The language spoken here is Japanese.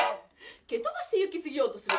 蹴飛ばして行き過ぎようとする。